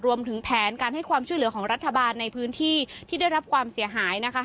รวมถึงแผนการให้ความช่วยเหลือของรัฐบาลในพื้นที่ที่ได้รับความเสียหายนะคะ